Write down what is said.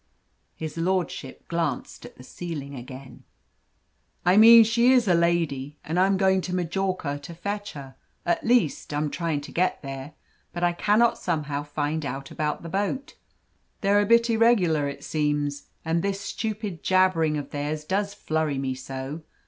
His lordship glanced at the ceiling again. "I mean she is a lady. And I'm going to Majorca to fetch her. At least, I'm trying to get there, but I cannot somehow find out about the boat. They're a bit irregular, it seems, and this stupid jabbering of theirs does flurry me so.